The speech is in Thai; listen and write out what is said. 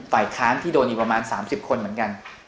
ไฟค้านที่โดนประมาณ๓๐คนเหมือนกัน